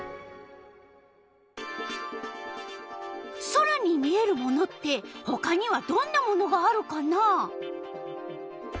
空に見えるものってほかにはどんなものがあるかな？